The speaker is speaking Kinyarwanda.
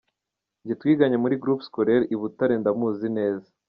Njye twiganye muli groupe scolaire i Butare ndamuzi neza.